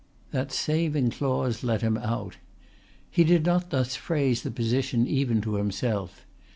That saving clause let him out. He did not thus phrase the position even to himself.